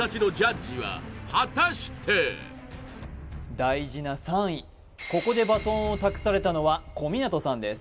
大事な３位ここでバトンを託されたのは小湊さんです